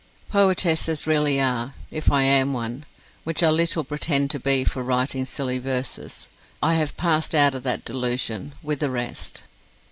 "Poetesses rarely are: if I am one, which I little pretend to be for writing silly verses. I have passed out of that delusion, with the rest."